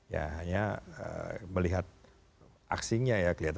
ya hanya melihat aksinya ya